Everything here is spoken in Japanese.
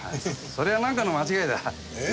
それはなんかの間違いだ。え？